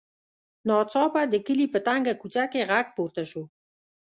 ناڅاپه د کلي په تنګه کوڅه کې غږ پورته شو.